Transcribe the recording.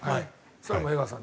それは江川さん